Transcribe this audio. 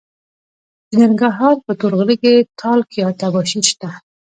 د ننګرهار په تور غره کې تالک یا تباشیر شته.